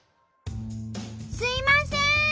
すいません！